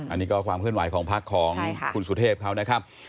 อันนี้ก็ความเคลื่อนไหวของพักของคุณสุเทพเขานะครับ